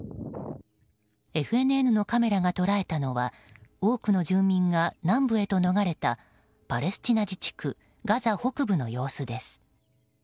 ＦＮＮのカメラが捉えたのは多くの住民が南部へと逃れたパレスチナ自治区ガザ北部の様子です。